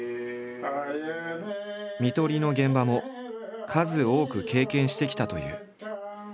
看取りの現場も数多く経験してきたという。